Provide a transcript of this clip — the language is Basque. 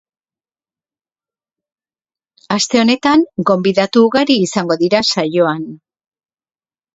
Aste honetan, gonbidatu ugari izango dira saioan.